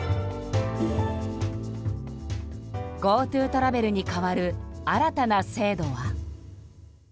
ＧｏＴｏトラベルに代わる新たな制度は？